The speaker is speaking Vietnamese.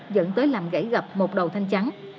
dẫn tới làm gãy gặp một đầu thanh trắng